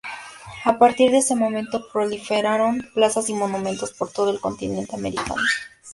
A partir de ese momento, proliferaron plazas y monumentos por todo el continente americano.